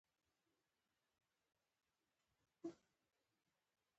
په بدو کي د ښځو ورکول د قانوني عدالت خلاف عمل دی.